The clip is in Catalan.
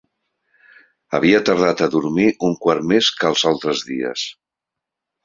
Havia tardat a dormir un quart més que els altres dies.